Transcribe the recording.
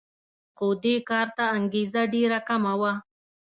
خو دې کار ته انګېزه ډېره کمه وه